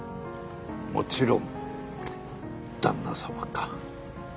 もちろん旦那様か。